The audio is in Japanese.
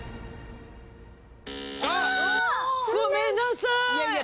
ごめんなさい。